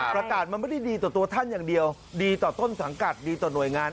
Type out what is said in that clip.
ประกาศมันไม่ได้ดีต่อตัวท่านอย่างเดียวดีต่อต้นสังกัดดีต่อหน่วยงาน